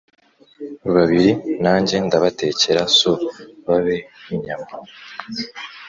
Babiri nanjye ndabatekera so babe inyama